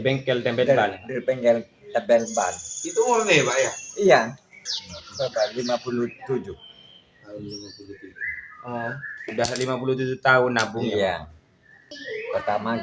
bengkel tembelan di bengkel tebel itu ya lima puluh tujuh lima puluh tujuh tahun nabung ya pertama j lima ratus sepuluh dua puluh lima